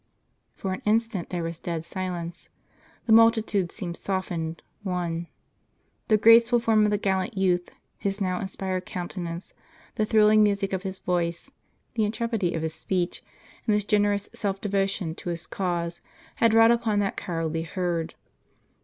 For an instant there was dead silence; the multitude seemed softened, won. The graceful form of the gallant youth, his now inspired countenance, the thrilling music of his voice, the intrepidity of his speech, and his generous self devotion to his cause, had wrought upon that cowardly herd.